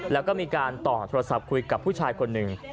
แล้วก็มีการต่อโทรศัพท์คุยกับผู้ชายคนหนึ่ง